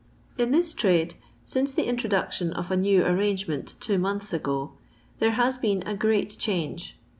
In this trade, since the introduction of a new arrangement two months ago, there has been a great change.